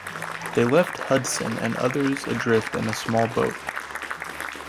They left Hudson and others adrift in a small boat.